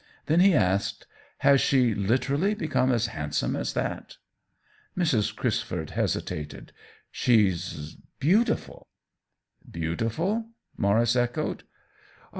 Then he asked :Has she literally become as handsome as that ?" Mrs. Crisford hesitated. She's beauti ful." " Beautiful ?" Maurice echoed.